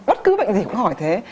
bất cứ bệnh gì cũng hỏi thế